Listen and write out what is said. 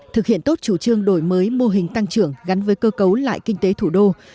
thực hiện tốt chủ trương đổi mới mô hình tăng trưởng gắn với cơ cấu lại kinh tế thủ đô